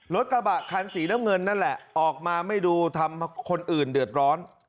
รถกระบะคันสีน้ำเงินนั่นแหละออกมาไม่ดูทำคนอื่นเดือดร้อน